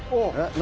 何？